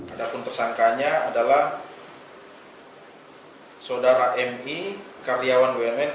ada pun tersangkanya adalah sodara mi karyawan wnn